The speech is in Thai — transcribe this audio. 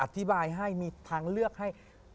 อธิบายให้มีทางเลือกให้